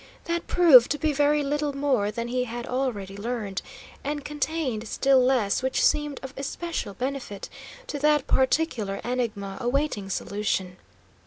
That proved to be very little more than he had already learned, and contained still less which seemed of especial benefit to that particular enigma awaiting solution.